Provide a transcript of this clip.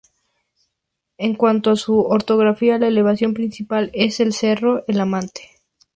En cuanto a su orografía la elevación principal es el Cerro El Amate.